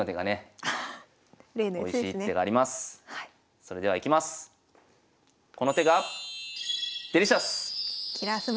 それではいきます。